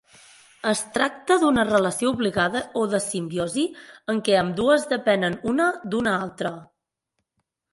Es tracta d'una relació obligada o de simbiosi en què ambdues depenen una d'una altra.